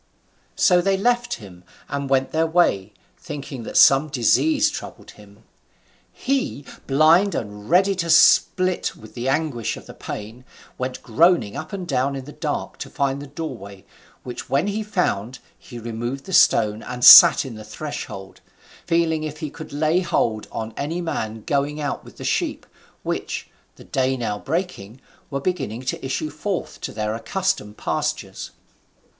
So they left him and went their way, thinking that some disease troubled him. He, blind and ready to split with the anguish of the pain, went groaning up and down in the dark, to find the doorway, which when he found, he removed the stone, and sat in the threshold, feeling if he could lay hold on any man going out with the sheep, which (the day now breaking) were beginning to issue forth to their accustomed pastures.